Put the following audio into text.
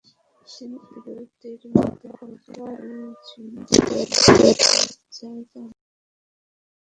তিনি বিরতির মধ্যে হালকা ঝিমুনি দেওয়ার জায়গার বড্ড অভাব বোধ করতেন।